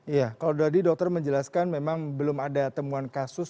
iya kalau tadi dokter menjelaskan memang belum ada temuan kasus